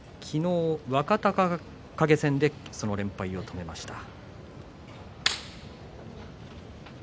昨日、若隆景戦でその連敗を止めました。